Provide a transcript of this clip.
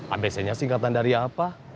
abc nya singkatan dari apa